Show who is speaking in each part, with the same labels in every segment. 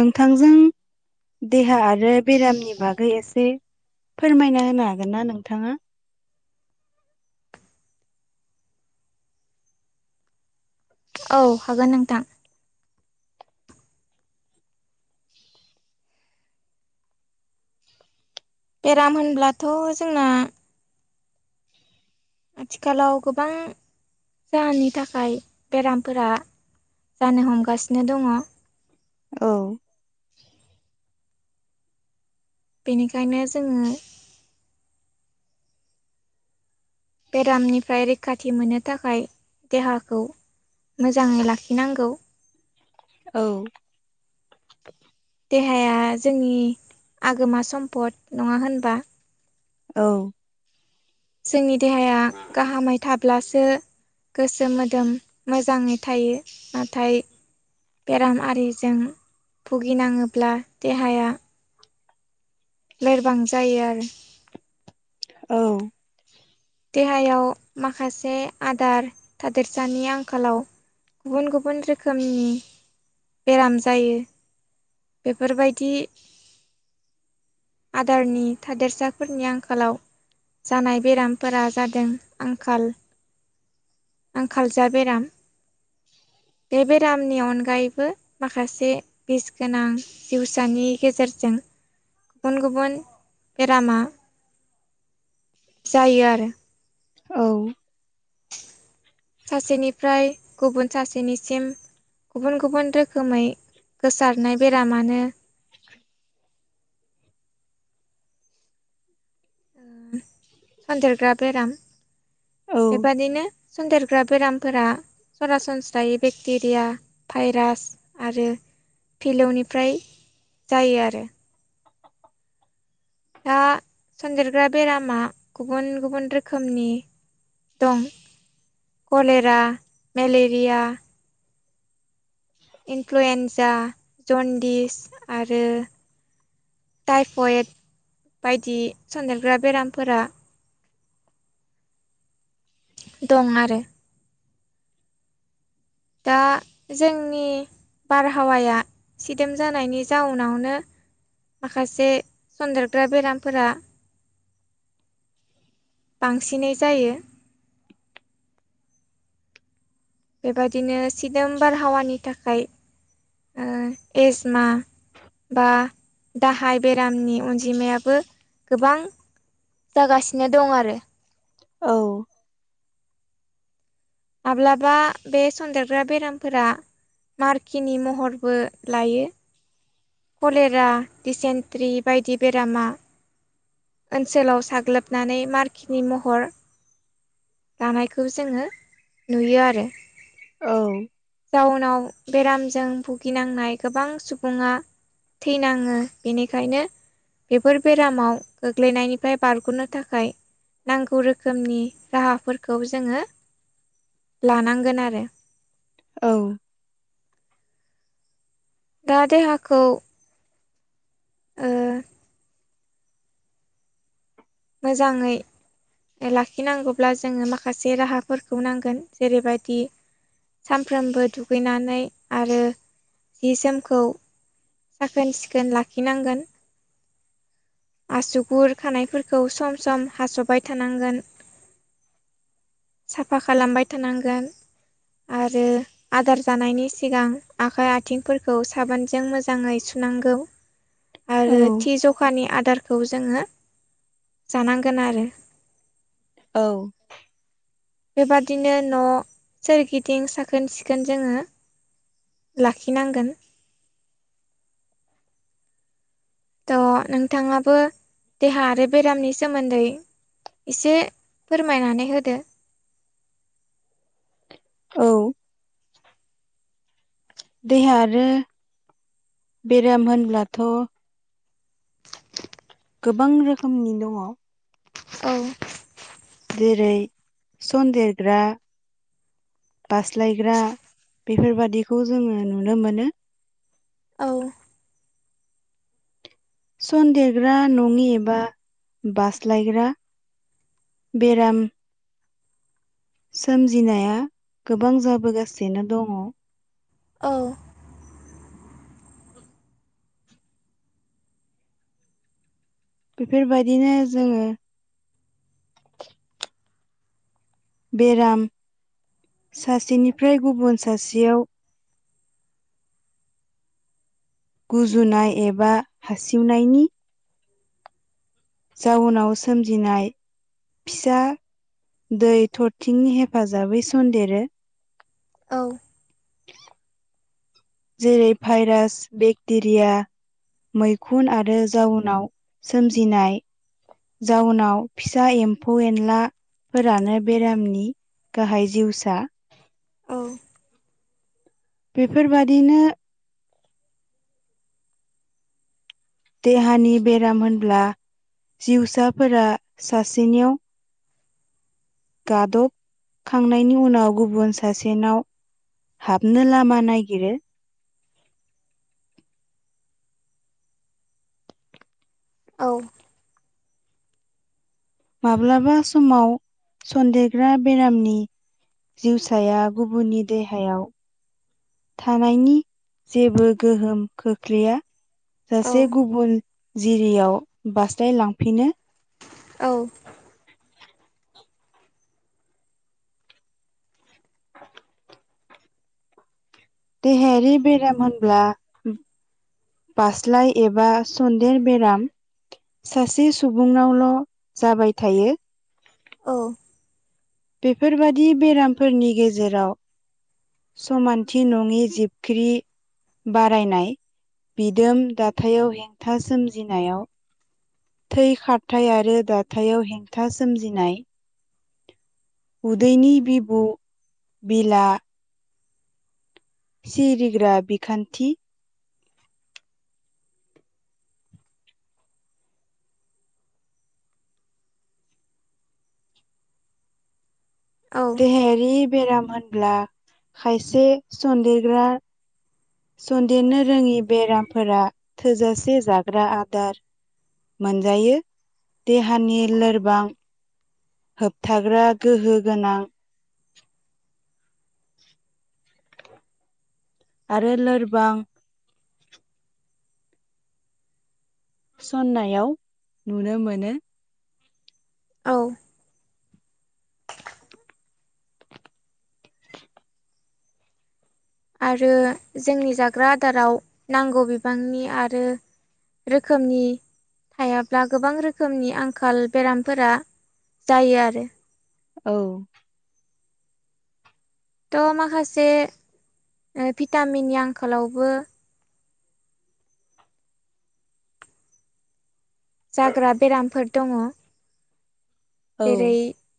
Speaker 1: नोंथांजों देहा आरो बेरामनि बागै एसे फोरमायना होनो हागोन ना नोंथाङा
Speaker 2: औ हागोन नोंथां बेराम होनब्लाथ' जोंना आथिखालाव गोबां जाहोननि थाखाय बेरामफोरा जानो हमगासिनो दङ
Speaker 1: औ
Speaker 2: बेनिखायनो जोङो बेरामनिफ्राय रैखाथि मोननो थाखाय देहाखौ मोजाङै लाखिनांगौ
Speaker 1: औ
Speaker 2: देहाया जोंनि आगोमा सम्फद नङा होनबा
Speaker 1: औ
Speaker 2: जोंनि देहाया गाहामै थाब ब्लासो गोसो मोदोम मोजाङै थायो नाथाय बेराम आरिजों भुगिनाङोब्ला देहाया लोरबां जायो आरो
Speaker 1: औ
Speaker 2: देहायाव माखासे आदार थादोरसानि आंखालाव गुबुन गुबुन रोखोमनि बेराम जायो बेफोरबायदि आदारनि थादेरसाफोरनि आंखालाव जानाय बेराम फोर जादों आंखाल आंखालजों बेराम बे बेरामनि अनगायैबो माखासे बिस गोनां जिउसानि गेजेरजों गुबुन गुबुन बेरामा जायो आरो
Speaker 1: औ
Speaker 2: सासेनिफ्राय गुबुन सासेनिसिम गुबुन गुबुन रोखोमै गोसारनाय बेरामानो सनन्देरग्रा बेराम
Speaker 1: औ
Speaker 2: बेबादिनो सन्देरग्रा बेरामफोरा सरासनस्रायै बेक्टेरिया भाइरास आरो फिलौनिफ्राय जायो आरो दा सेनदेरग्रा बेरामा गुबुन गुबुन रोखोमनि दं कलेरा मेलेरिया इनफ्लुयेन्जा जन्दिस आरो टाइफयड बायदि सदेरग्रा बेरामफोरा दं आरो दा जोंनि बारहावाया सिदेम जानायनि जाउनावनो माखासे सन्देरग्रा बेरामफोरा बांसिनै जायो बेबादिनो सिदोम बारहावानि थाखाय एस मा बा दाहाय बेरामनि अनजिमायाबो गोबां जागासिनो दं आरो
Speaker 1: औ
Speaker 2: माब्लाबा बे सन्देर ग्रा बेरामफोरा मारकिनि महरबो लायो। कलेरा दिसेन्ट्रि बायदि बेरामा ओनसोलाव साग्लोबनानै मारकिनि महर दानायखौ जोङो नुयो आरो।
Speaker 1: औ
Speaker 2: टाउनाव बेरामजों भुगिनांनाय गोबां सुबुङा थैनाङो बेनिखायनो बेफोर बेरामाव गोग्लैनायनिफ्राय बारग'नो थाखाय नांगौ रोखोमनि राहाफोरखौ जोङो लानांगोन आरो
Speaker 1: औ
Speaker 2: दा देहाखौ ओ मोजाङै लाखिनांगौब्ला जोङो माखासे राहाफोरखौ नांगोन जेरैबायदि सानफ्रोमबो दुगैनानै आरो जि जोमखौ साखोन सिखोन लाखिनांगोन आसुगुर खानायफोरखौ सम सम हास'बाय थानांगोन साफा खालामबाय थानांगोन आरो आदार जानायनि सिगां आखाइ आथिंफोरखौ साबोनजों मोजाङै सुनांगौ।
Speaker 1: [inaudible]
Speaker 2: आरो थि जखानि आदारखौ जोङो जानांगोन आरो
Speaker 1: औ
Speaker 2: बेबादिनो न' सोरगिदिं साखोन सिखोन जोङो लाखिनांगोन। थ' नोंथाङाबो देहा आरो बेरामनि सोमोन्दै एसे फोरमायनानै होदो।
Speaker 1: औ देहा आरो बेराम होनब्लाथ' गोबां रोखोमनि दङ।
Speaker 2: औ
Speaker 1: जेरै सनदेरग्रा बास्लायग्रा बेफोरबादिखौ जोङो नुनो मोनो।
Speaker 2: औ
Speaker 1: सनदेरग्रा नङि एबा बास्लायग्रा बेराम सोमजिनाया गोबां जाबोगासिनो दङ।
Speaker 2: औ
Speaker 1: बेफोरबायदिनो जोङो बेराम सासेनिफ्राय गुबुन सासेयाव गुजुनाय एबा हासिवनायनि जाउनाव सोमजिनाय फिसा दै थरथिंनि हेफाजाबै सनन्देरो
Speaker 2: औ
Speaker 1: जेरै भाइरास बेक्टेरिया मैखुन आरो जाउनाव सोमजिनाय जाउनाव फिसा एम्फौ एनला फोरानो बेरामनि गाहाय जिउसा
Speaker 2: औ
Speaker 1: बेफोर बायदिनो देहानि बेराम होनब्ला जिउसाफोरा सासेनियाव गादबखांनायनि उनाव गुबुन सासेनाव हाबनो लामा नायागिरो
Speaker 2: औ
Speaker 1: माब्लाबा समाव सन्देरग्रा बेरामनि जिउसाया गुबुननि देहायाव थानायनि जेबो गोहोम खोख्लैया
Speaker 2: औ
Speaker 1: सासे गुबुन जिरियाव बास्लाय लांफिनो
Speaker 2: औ
Speaker 1: देहायारि बेराम होनब्ला फास्लाय एबा सन्देर बेराम सासे सुबुंनावल' जाबाय थायो।
Speaker 2: औ
Speaker 1: बेफोरबादि बेरामफोरनि गेजेराव समानथि नङि जिबख्रि बारायनाय बिदोम दाथायाव हेंथा सोमजिनायाव थै खारथाय आरो दाथायाव हेंथा सोमजिनाय उदैनि बिब' बिला सिरिग्रा बिखान्थि
Speaker 2: औ
Speaker 1: देहायारि बेराम होनब्ला खायसे सनन्देरग्रा सन्देरनो रोङि बेरामफोरा थोजासे जाग्रा आदार मोनजायो देहानि लोरबां होबथाग्रा गोहो गोनां आरो लोरबां सननायाव नुनो मोनो
Speaker 2: औ आरो जोंनि जाग्रा आदाराव नांगौ बिबांनि आरो रोखोमनि थायाब्ला गोबां रोखोमनि आंखाल बेरामफोरा जायो आरो
Speaker 1: औ
Speaker 2: थ' माखासे भिटामिननि आंखालावबो जाग्रा बेरामफोर दङ
Speaker 1: औ
Speaker 2: जेरै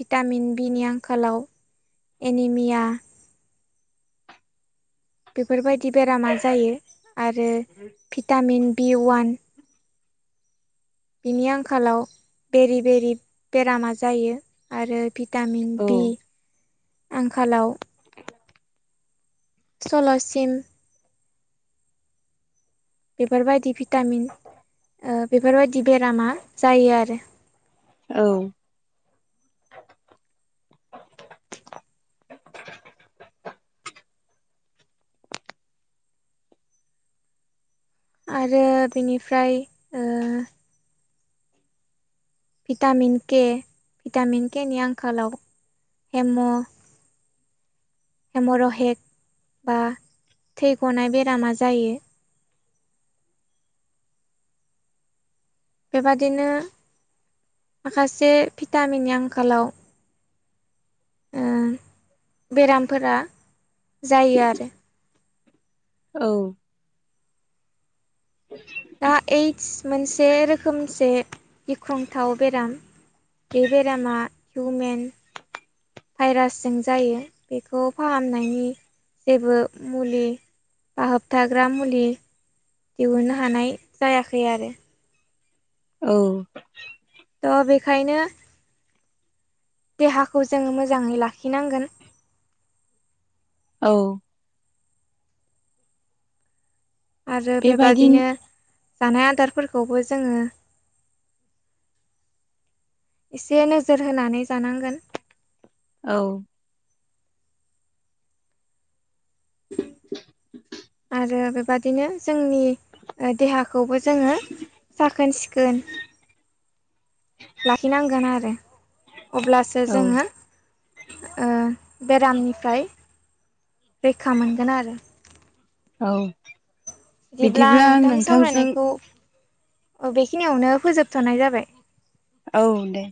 Speaker 2: भिटामिन बिनि आंखालाव एनिमिया बेफोरबायदि बेरामा जायो आरो भिटामिन बि ववान बिनि आंखालाव बेरे बेरि बेरामा जायो आरो भिटामिन
Speaker 1: औ
Speaker 2: बि आंखालाव सल'सिम बेफोरबायदि भिटामिन बेफोरबायदि बेरामा जायो आरो
Speaker 1: औ
Speaker 2: आरो बेनिफ्राय ओ भिटामिन के भिटामिन केनि आंखालाव हेम' हेमरहेक बा थै गनाय बेरामा जायो बेबादिनो माखासे भिटामिननि आंखालाव बेरामफोरा जायो आरो
Speaker 1: औ
Speaker 2: दा इद्स मोनसे रोखोमसे गिख्रंथाव बेराम बे बेरामा हिउमेन भाइरासजों जायो बेखौ फाहामनायनि जेबो मुलि बा होबथाग्रा मुलि दिहुननो हानाय जायाखै आरो
Speaker 1: औ
Speaker 2: थ' बेखायनो देहाखौ जोङो मोजाङै लाखिनांगोन
Speaker 1: औ
Speaker 2: आरो
Speaker 1: बेबायदि
Speaker 2: बेबादिनो जानाय आदारफोरखौबो जोङो एसे नोजोर होनानै जानांगोन
Speaker 1: औ
Speaker 2: आरो बेबादिनो जोंनि देहाखौबो जोङो साखोन सिखोन लाखिनांगोन आरो अब्लासो
Speaker 1: औ
Speaker 2: जोङो ओ बेरामनिफ्राय रैखा मोनगोन आरो
Speaker 1: औ
Speaker 2: बिदिब्ला नोंथां सावरायनायखौ बेखिनियावनो फोजोबथ'नाय जाबाय
Speaker 1: औ दे